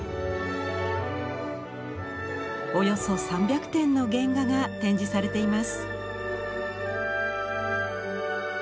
およそ３００点の原画が展示されています。